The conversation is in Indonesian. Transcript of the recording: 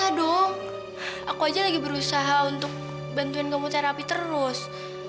aku aja lagi berusaha untuk bantuin kamu terapi terus